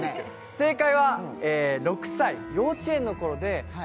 正解は６歳、幼稚園のころで。